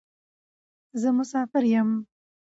زه مسافر یم.